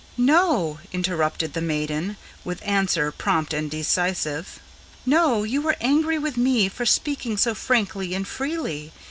"No!" interrupted the maiden, with answer prompt and decisive; "No; you were angry with me, for speaking so frankly and freely.